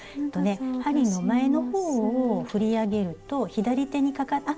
針の前の方を振り上げると左手にかかって。